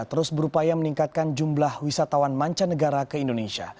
terus berupaya meningkatkan jumlah wisatawan mancanegara ke indonesia